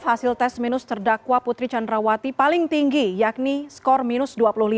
hasil tes minus terdakwa putri candrawati paling tinggi yakni skor minus dua puluh lima